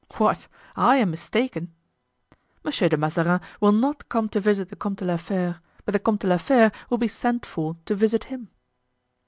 "What? I am mistaken?" "Monsieur de Mazarin will not come to visit the Comte de la Fere, but the Comte de la Fere will be sent for to visit him."